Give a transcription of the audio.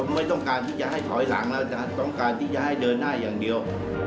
ไม่ต้องการที่จะให้ถอยหลังแล้วต้องการที่จะให้เดินหน้าอย่างเดียว